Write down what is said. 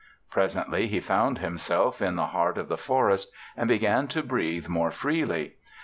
Presently he found himself in the heart of the forest and began to breathe more freely.